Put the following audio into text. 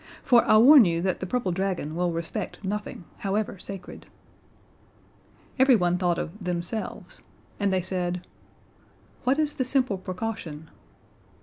For I warn you that the purple dragon will respect nothing, however sacred." Everyone thought of themselves and they said, "What is the simple precaution?"